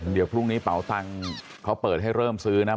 เดี๋ยวพรุ่งนี้เป๋าตังค์เขาเปิดให้เริ่มซื้อนะ